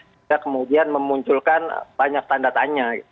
sehingga kemudian memunculkan banyak tanda tanya